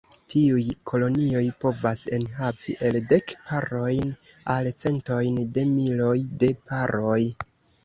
Tiuj kolonioj povas enhavi el dek parojn al centojn de miloj de paroj.